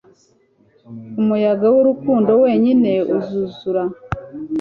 umuyaga w'urukundo wenyine uzuzura